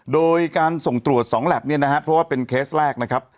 โดยการส่งตรวจ๒แล็บเนี่ยนะฮะเพราะว่าเป็นเคสแรกนะครับ